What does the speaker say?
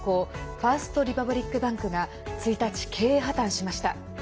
ファースト・リパブリック・バンクが１日、経営破綻しました。